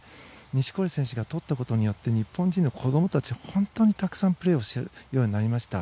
錦織選手が取ったことによって日本人の子どもたち本当にたくさんプレーするようになりました。